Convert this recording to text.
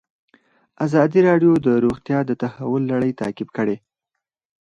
ازادي راډیو د روغتیا د تحول لړۍ تعقیب کړې.